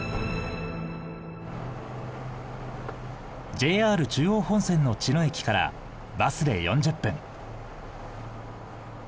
ＪＲ中央本線の茅野駅からバスで４０分。